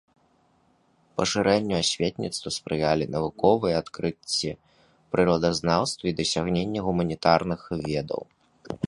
Пашырэнню асветніцтва спрыялі навуковыя адкрыцці ў прыродазнаўстве і дасягненні гуманітарных ведаў.